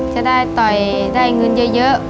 จะได้ต่อยได้เงินเยอะ